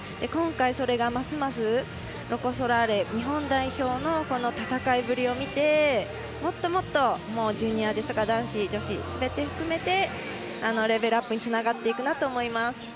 今回、それがますますロコ・ソラーレ日本代表の戦いぶりを見てもっともっとジュニアですとか男子、女子すべて含めてレベルアップにつながっていくと思います。